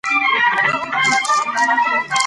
چې ښځې له دغو بندېزونو بهر هم